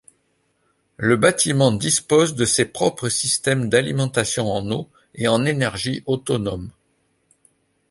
Le bâtiment dispose de ses propres systèmes d’alimentation en eau et en énergie autonomes.